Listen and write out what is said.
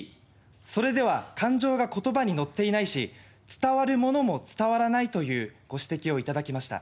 それでは感情が言葉にのっていないし伝わるものも伝わらない」というご指摘を頂きました。